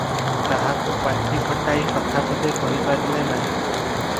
କାହାକୁ ପାଟି-ଫଟାଇ କଥାପଦେ କହିପାରିଲେ ନାହିଁ ।